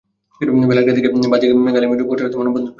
বেলা একটার দিকে বাদে আলী গ্রামে পোস্টার হাতে মানববন্ধন করে এলাকাবাসী।